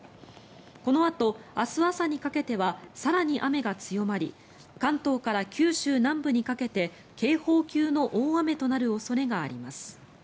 このあと明日朝にかけては更に雨が強まり関東から九州南部にかけて警報級の大雨となる恐れがあります。